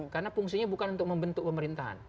karena fungsinya bukan untuk membentuk pemerintahan